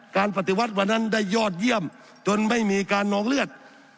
ปฏิวัติวันนั้นได้ยอดเยี่ยมจนไม่มีการนองเลือด